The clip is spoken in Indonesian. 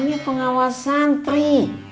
ini pengawasan tri